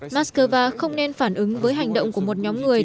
mắc cơ va không nên phản ứng với hành động của một nhóm người